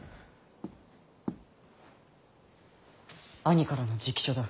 兄からの直書だ。